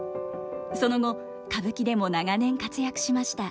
その後歌舞伎でも長年活躍しました。